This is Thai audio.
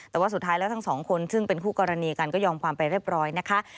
แต่ว่าสุดท้ายแล้วทั้งสองคนซึ่งเป็นคู่กรณีกันก็ยอมความไปเรียบร้อยนะคะ